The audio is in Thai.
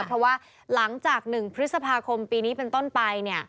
เพราะว่าหลังจาก๑พฤษภาคมปีนี้เป็นต้นไป